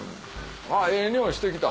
ええ匂いしてきた！